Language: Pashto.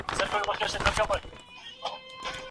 ډېر اتڼ زموږ لخوا وړاندي کیږي.